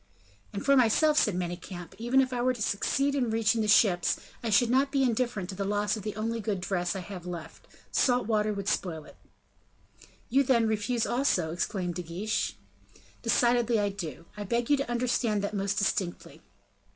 "And for myself," said Manicamp, "even were I to succeed in reaching the ships, I should not be indifferent to the loss of the only good dress which I have left, salt water would spoil it." "You, then, refuse also?" exclaimed De Guiche. "Decidedly I do; I beg you to understand that most distinctly."